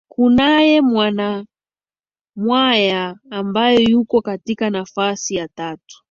kunaye mwanamwaya ambaye yuko katika nafasi ya tatu